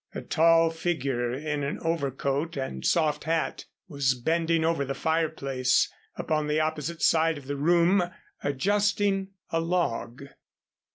A tall figure in an overcoat and soft hat was bending over the fireplace upon the opposite side of the room adjusting a log.